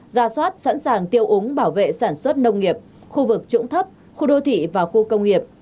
ra soát sẵn sàng tiêu úng bảo vệ sản xuất nông nghiệp khu vực trũng thấp khu đô thị và khu công nghiệp